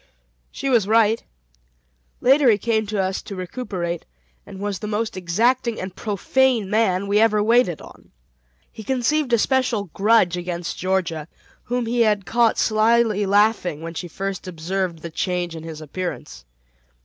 She was right. Later he came to us to recuperate, and was the most exacting and profane man we ever waited on. He conceived a special grudge against Georgia, whom he had caught slyly laughing when she first observed the change in his appearance.